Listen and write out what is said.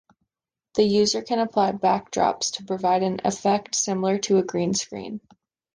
The user can apply backdrops to provide an effect similar to a green screen.